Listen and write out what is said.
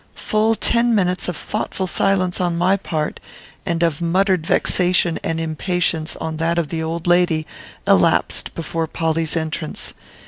Full ten minutes of thoughtful silence on my part, and of muttered vexation and impatience on that of the old lady, elapsed before Polly's entrance.